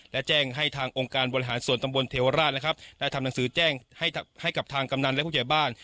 และแจ้งให้ทางองค์การบริหารส่วนตำบลเทวราชนะครับได้ทำหนังสือแจ้งให้กับทางกำนันและผู้ใหญ่บ้าน